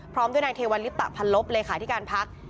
พร้อมด้วยนังเทวร์ลิปตะพันลพเลยค่ะที่การพัก